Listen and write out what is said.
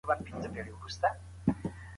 په تېرو کلونو کي جګړو ډېر زيانونه واړول.